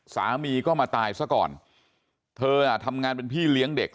สามีก็มาตายซะก่อนเธออ่ะทำงานเป็นพี่เลี้ยงเด็ก